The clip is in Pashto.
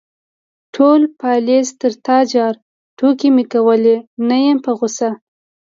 _ټول پالېز تر تا جار، ټوکې مې کولې، نه يم په غوسه.